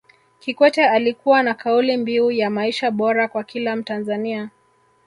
Kikwete alikuwa na kauli mbiu ya maisha bora kwa kila mtanzania